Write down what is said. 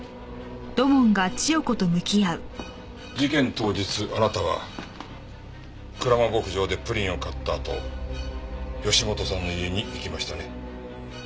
事件当日あなたは蔵間牧場でプリンを買ったあと義本さんの家に行きましたね？